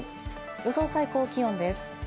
予想最高気温です。